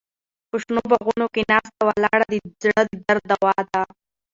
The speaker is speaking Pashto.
په شنو باغونو کې ناسته ولاړه د زړه درد دوا ده.